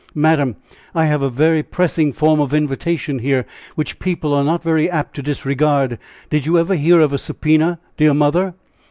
"Madam, I have a very pressing form of invitation here, which people are not very apt to disregard. Did you ever hear of a subpoena, dear Mother?"